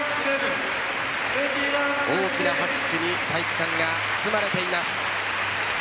大きな拍手に体育館が包まれています。